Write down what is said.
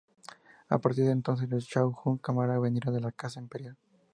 A partir de entonces, los shogun Kamakura vendrían de la Casa Imperial.